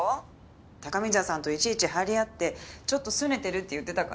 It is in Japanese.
高見沢さんといちいち張り合ってちょっとすねてるって言ってたから。